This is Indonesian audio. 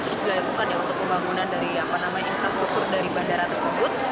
terus terus dia bukan ya untuk pembangunan dari apa namanya infrastruktur dari bandara tersebut